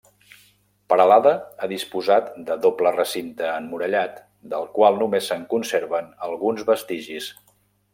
Peralada ha disposat de doble recinte emmurallat, del qual només se'n conserven alguns vestigis.